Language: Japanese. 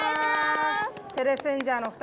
テレセンジャーのお二人